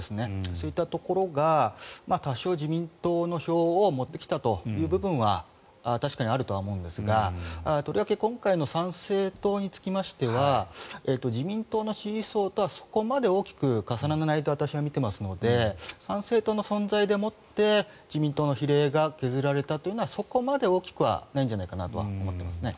そういったところが多少、自民党の票を持っていったという部分は確かにあるとは思うんですがとりわけ今回の参政党につきましては自民党の支持層とはそこまで大きく重ならないとは私は見ていますので参政党の存在でもって自民党の比例が削られたというのはそこまで大きくはないんじゃないかなと思っていますね。